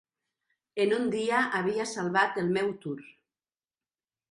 En un dia, havia salvat el meu Tour.